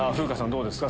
どうですか？